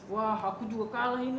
wah aku juga kalah ini